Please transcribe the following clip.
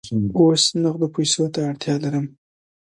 اوس نغدو پیسو ته اړتیا لرم.